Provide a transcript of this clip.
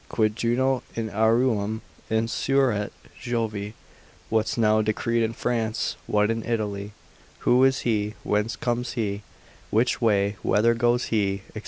quid Juno in aurem insusurret Jovi, what's now decreed in France, what in Italy: who was he, whence comes he, which way, whither goes he, &c.